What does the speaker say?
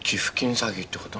詐欺ってこと？